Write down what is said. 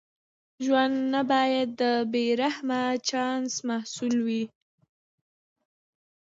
ژوند نه باید د بې رحمه چانس محصول وي.